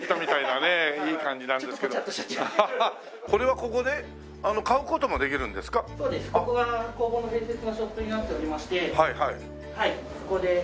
ここが工房の併設のショップになっておりましてここで。